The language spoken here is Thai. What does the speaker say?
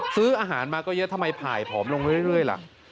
ซื้ออาหารมาก็เยอะทำไมผ่ายผอมลงเรื่อยล่ะ